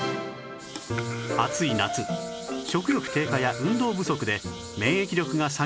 暑い夏食欲低下や運動不足で免疫力が下がり